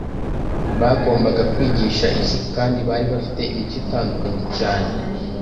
Bagombaga kwigisha isi, kandi bari bafite imico itandukanye cyane.